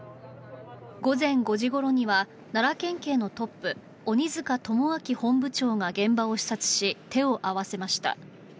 午前５時ごろには奈良県警のトップ鬼塚友章本部長が現場を視察し、手を合わせました。